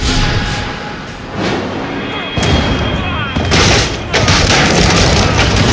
aku tidak melekatkanmu